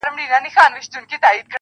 باد را الوتی، له شبِ ستان دی.